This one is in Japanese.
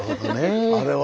あれは。